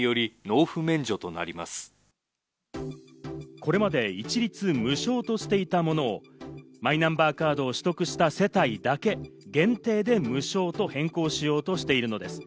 これまで一律無償としていたものをマイナンバーカードを取得した世帯だけ限定で無償と変更しようとしているのです。